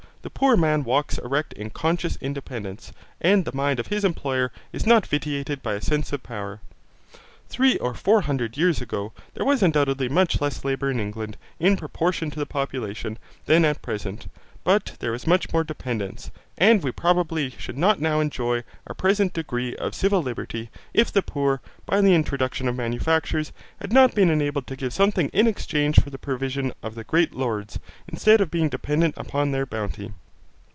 The poor man walks erect in conscious independence; and the mind of his employer is not vitiated by a sense of power. Three or four hundred years ago there was undoubtedly much less labour in England, in proportion to the population, than at present, but there was much more dependence, and we probably should not now enjoy our present degree of civil liberty if the poor, by the introduction of manufactures, had not been enabled to give something in exchange for the provisions of the great Lords, instead of being dependent upon their bounty.